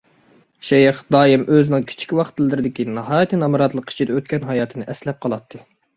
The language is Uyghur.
شەيخ دائىم ئۆزىنىڭ كىچىك ۋاقىتلىرىدىكى ناھايىتى نامراتلىق ئىچىدە ئۆتكەن ھاياتىنى ئەسلەپ قالاتتى.